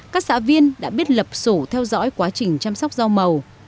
các xã viên đã biết lập sổ theo dõi quá trình chăm sóc rau màu